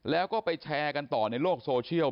แล้วก็ไปแชร์กันต่อในโลกโซเชียล